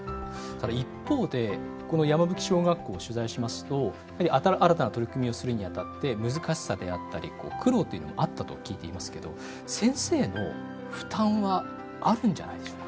ただ一方でこの山吹小学校を取材しますと新たな取り組みをするにあたって難しさであったり苦労というのもあったと聞いていますけど先生の負担はあるんじゃないでしょうかね？